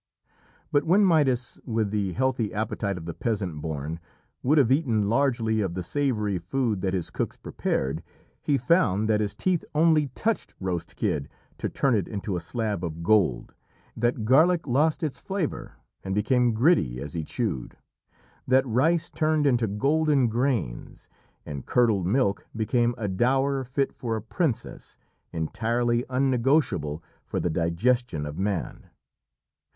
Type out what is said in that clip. But when Midas, with the healthy appetite of the peasant born, would have eaten largely of the savoury food that his cooks prepared, he found that his teeth only touched roast kid to turn it into a slab of gold, that garlic lost its flavour and became gritty as he chewed, that rice turned into golden grains, and curdled milk became a dower fit for a princess, entirely unnegotiable for the digestion of man.